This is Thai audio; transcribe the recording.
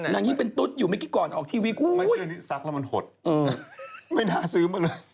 ไม่รู้มักเกี้ยวมันเห็นแน่น